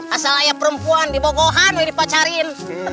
asal perempuan dibogohkan dan dipacarin